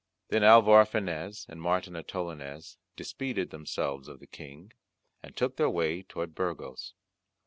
Then Alvar Fanez and Martin Antolinez dispeeded themselves of the King, and took their way toward Burgos.